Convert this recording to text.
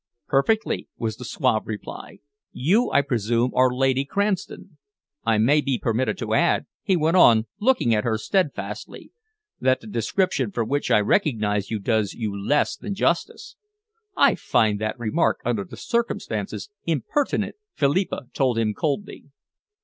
"Perfectly," was the suave reply. "You, I presume, are Lady Cranston? I may be permitted to add," he went on, looking at her steadfastly, "that the description from which I recognise you does you less than justice." "I find that remark, under the circumstances, impertinent," Philippa told him coldly.